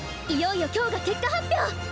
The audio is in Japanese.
いよいよ今日が結果発表！